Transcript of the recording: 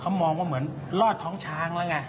เขามองว่าเหมือนรอดท้องช้างแล้วไง